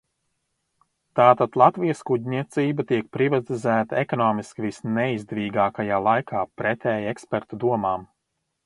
"Tātad "Latvijas kuģniecība" tiek privatizēta ekonomiski visneizdevīgākajā laikā, pretēji ekspertu domām."